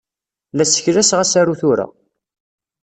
La sseklaseɣ asaru tura.